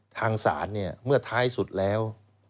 ทางศาลเนี่ยเมื่อท้ายสุดแล้ว